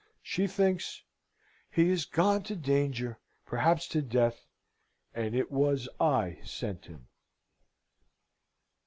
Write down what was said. She thinks, "He is gone to danger, perhaps to death, and it was I sent him!"